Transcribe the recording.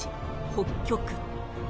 北極